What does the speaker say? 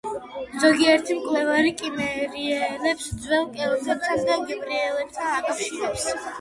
ზოგიერთი მკვლევარი კიმერიელებს ძველ კელტებთან და გერმანელებთან აკავშირებს.